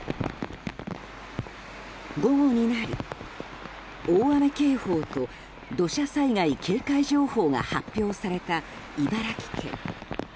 午後になり、大雨警報と土砂災害警戒情報が発表された、茨城県。